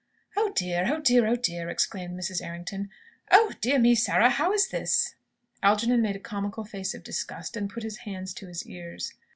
"Oh dear, oh dear, oh dear!" exclaimed Mrs. Errington, "Oh dear me, Sarah, how is this?" Algernon made a comical face of disgust, and put his hands to his ears.